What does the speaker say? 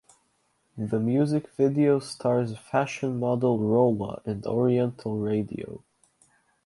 The music video stars fashion model Rola and Oriental Radio.